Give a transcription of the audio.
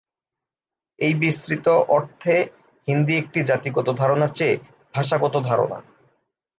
এই বিস্তৃত অর্থে হিন্দি একটি জাতিগত ধারণার চেয়ে ভাষাগত ধারণা।